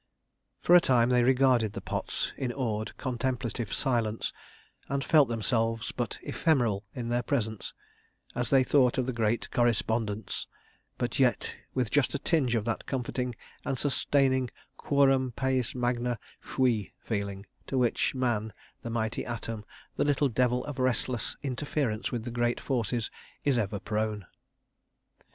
... For a time they regarded the pots in awed contemplative silence and felt themselves but ephemeral in their presence, as they thought of the Great Correspondence, but yet with just a tinge of that comforting and sustaining quorum pais magna fui feeling, to which Man, the Mighty Atom, the little devil of restless interference with the Great Forces, is ever prone.